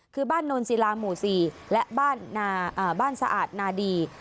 คือบ้านโนนศิลาหมู่๔และบ้านสะอาดนาดี